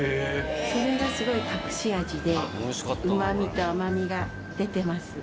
それがすごい隠し味でうま味と甘味が出てます。